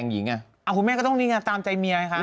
เมียขายเสื้อผ้าออนไลน์ไง